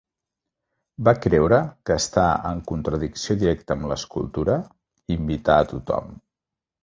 Va creure que està en "contradicció directa amb l"escultura" invitar a tothom.